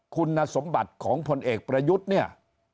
คุณสมบัติของพลเอกประยุทธ์เนี่ย